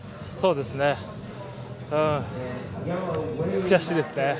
そうですね。